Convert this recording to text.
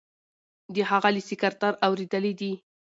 د هغه له سکرتر اوریدلي دي.